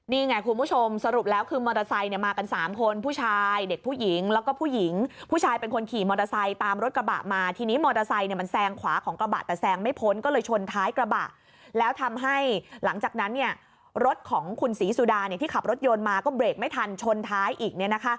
นี่ไงคุณผู้ชมสรุปแล้วคือมอเตอร์ไซค์มากัน๓คนผู้ชายเด็กผู้หญิงแล้วก็ผู้หญิงผู้ชายเป็นคนขี่มอเตอร์ไซค์ตามรถกระบะมาทีนี้มอเตอร์ไซค์มันแซงขวาของกระบะแต่แซงไม่พ้นก็เลยชนท้ายกระบะแล้วทำให้หลังจากนั้นรถของคุณศรีสุดาที่ขับรถยนต์มาก็เบรกไม่ทันชนท้ายอีก